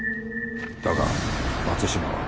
だが松島は。